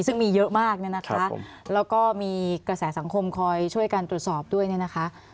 ซึ่งมีเยอะมากเนี่ยนะคะแล้วก็มีกระแสสังคมคอยช่วยกันตรวจสอบด้วยเนี่ยนะคะ